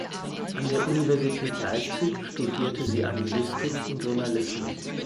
An der Universität Leipzig studierte sie Anglistik und Journalismus.